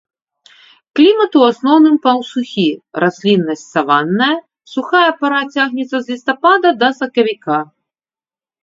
Клімат у асноўным паўсухі, расліннасць саванная, сухая пара цягнецца з лістапада да сакавіка.